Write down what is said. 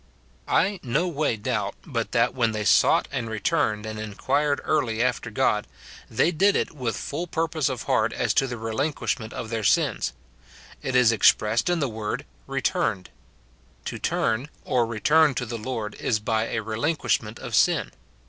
I no way doubt but that when they sought, and returned, and inquired early after God, they did it with full purpose of heart as to the relinquishment of their sins ; it is expressed in the word "returned." To turn or return to the Lord is by a relinquishment of sin.